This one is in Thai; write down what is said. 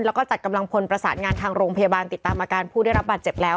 แล้วก็จัดกำลังพลประสานงานทางโรงพยาบาลติดตามอาการผู้ได้รับบาดเจ็บแล้ว